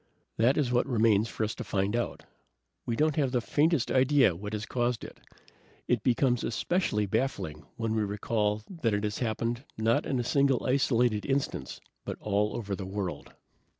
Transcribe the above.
"That is what remains for us to find out. We don't have the faintest idea what has caused it. It becomes especially baffling when we recall that it has happened, not in a single isolated instance, but all over the world."